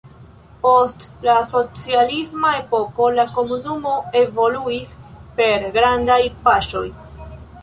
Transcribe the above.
Post la socialisma epoko, la komunumo evoluis per grandaj paŝoj.